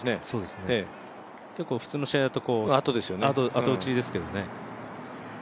結構普通の試合だと後打ちですけどね。